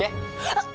あっ！